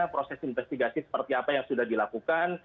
proses investigasi seperti apa yang sudah dilakukan